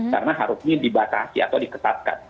karena harusnya dibatasi atau diketatkan